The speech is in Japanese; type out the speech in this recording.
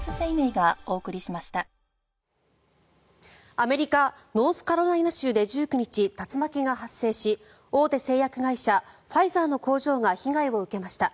アメリカ・ノースカロライナ州で１９日、竜巻が発生し大手製薬会社ファイザーの工場が被害を受けました。